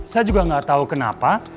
saya juga gak tau kenapa